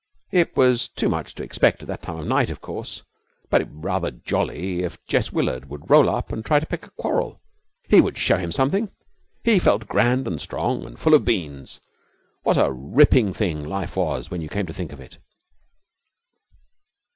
It was too much to expect at that time of night, of course, but it would be rather jolly if Jess Willard would roll up and try to pick a quarrel. He would show him something. He felt grand and strong and full of beans. What a ripping thing life was when you came to think of it.